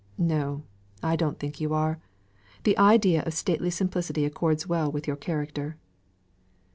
"No, I don't think you are. The idea of stately simplicity accords well with your character."